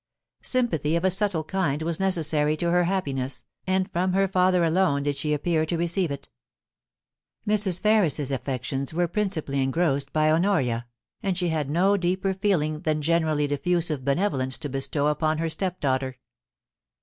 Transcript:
Sympathy of a subtle kind was neces sary to her happiness, and from her father alone did she appear to receive it Mrs. Ferris's affections were princi pally engrossed by Honoria, and she had no deeper feeling than generally diffusive benevolence to bestow upon her step daughter.